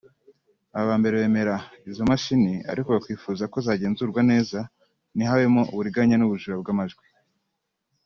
Aba mbere bemera izo mashini ariko bakifuza ko zagenzurwa neza ntihabemo uburiganya n’ubujura bw’amajwi